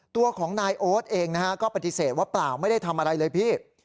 ตัวของนายโอ๊ตเองนะฮะก็ปฏิเสธว่าเปล่าไม่ได้ทำอะไรเลยพี่